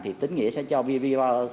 thì tín nghĩa sẽ cho vvvr